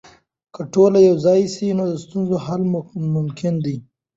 که ټولنه یوځای سي، نو د ستونزو حل ممکن دی.